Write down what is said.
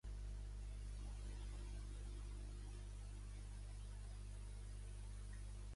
Desa el sis, cinquanta-set, seixanta-cinc, vuitanta-vuit, onze com a telèfon del Juan manuel Condori.